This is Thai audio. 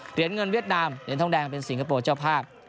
เหรียญเงินเวียดนามเหรียญทองแดงเป็นสิงคโปร์เจ้าภาพ